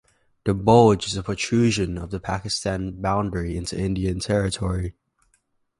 The bulge is a protrusion of Pakistan boundary into Indian territory.